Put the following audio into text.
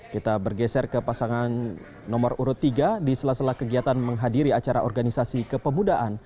kita bergeser ke pasangan nomor urut tiga di sela sela kegiatan menghadiri acara organisasi kepemudaan